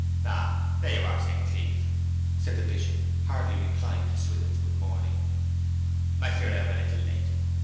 'Ah, you are here, St. Cleeve,' said the Bishop, hardly replying to Swithin's good morning. 'I fear I am a little late.